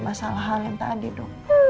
masalah hal yang tadi dok